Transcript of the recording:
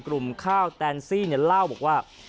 กลุ่มข้าวแตนซี่เนี่ยเล่าบอกว่า